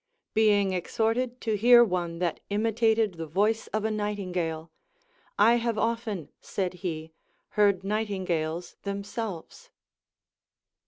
Behig .exhorted to hear one that imitated the voice of a nightingale, I have often, said he, heard niiihtin^ales themselves.